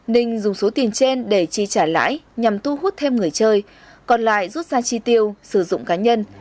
ninh dùng số tiền trên để chi trả lãi nhằm thu hút thêm người chơi còn lại rút ra chi tiêu sử dụng cá nhân